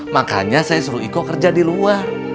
makanya saya suruh iko kerja di luar